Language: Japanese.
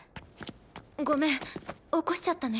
ごめん起こしちゃったね。